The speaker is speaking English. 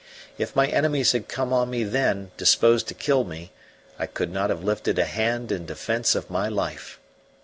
If my enemies had come on me then disposed to kill me, I could not have lifted a hand in defence of my life.